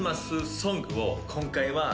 今回は。